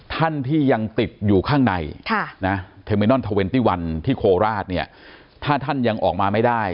ท่านที่ยังติดอยู่ข้างในที่โคราชถ้าท่านยังออกมาไม่ได้